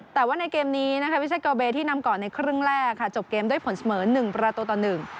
แต่ว่าในเกมนี้วิเศษเกอร์เบสที่นำก่อนในครึ่งแรกจบเกมด้วยผลเสมอ๑ประตูต่อ๑